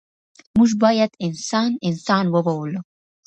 موږ باید انسان انسان وبولو.